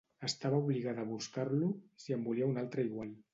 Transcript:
Estava obligada a buscar-lo, si en volia una altra igual.